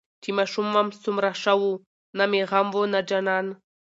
چې ماشوم وم سومره شه وو نه مې غم وو نه جانان.